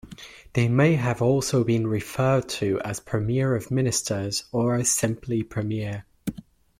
They may have also been referred to as Premier of Ministers, or simply premier.